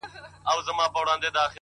ناهيلی نه یم” بیا هم سوال کومه ولي” ولي”